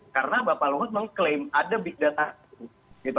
karena bapak luhut mengklaim ada big data itu